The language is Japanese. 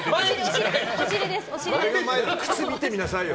靴見てみなさいよ。